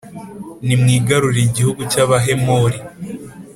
nimwigarurire igihugu cy’Abahemori.